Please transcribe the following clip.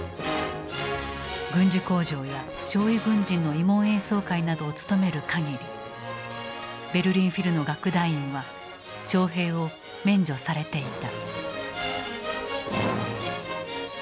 軍需工場や傷痍軍人の慰問演奏会などを務めるかぎりベルリン・フィルの楽団員は徴兵を免除されていた。